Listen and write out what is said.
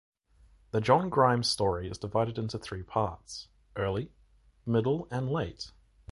The John Grimes story is divided into three parts - Early, Middle and Late.